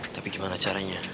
tapi gimana caranya